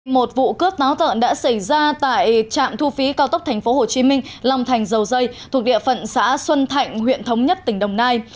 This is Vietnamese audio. một vụ cướp táo tợn đã xảy ra tại trạm thu phí cao tốc tp hcm long thành dầu dây thuộc địa phận xã xuân thạnh huyện thống nhất tỉnh đồng nai